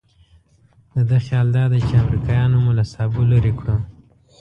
د ده خیال دادی چې امریکایانو مو له سابو لرې کړو.